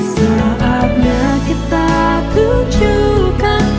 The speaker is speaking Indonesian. saatnya kita tunjukkan